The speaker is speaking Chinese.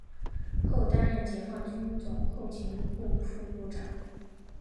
后担任解放军总后勤部副部长。